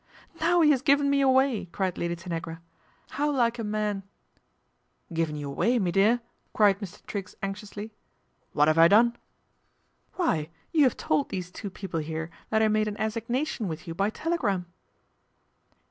"Now he has given me away," cried Lad Tanagra. " How like a man !" MR. TR1GGS TAKES TEA 219 " Given you away, me dear !" cried Mr. friggs anxiously. " What 'ave I done ?"" Why, you have told these two people here that made an assignation with you by telegram."